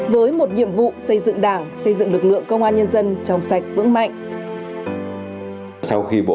với một nhiệm vụ xây dựng đảng xây dựng lực lượng công an nhân dân trong sạch vững mạnh